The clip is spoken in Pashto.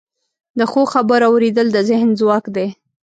د ښو خبرو اوریدل د ذهن ځواک دی.